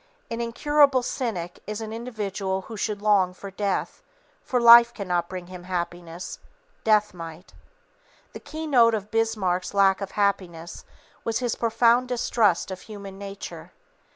An incurable cynic is an individual who should long for death, for life cannot bring him happiness, death might. The keynote of Bismarck's lack of happiness was his profound distrust of human nature.